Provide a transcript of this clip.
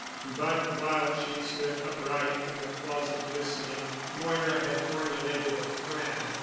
But while she stood upright in the closet listening, Moira had formulated a plan.